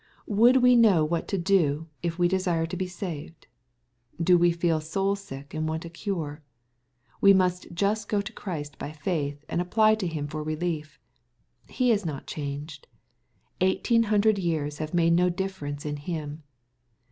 Would we know what to do, if we desire to be saved ? Do we feel soul sick and want a cure P We must just go to Christ by faith and apply to Him for relief. He is not changed. Eighteen hundred years have made no difference in Him.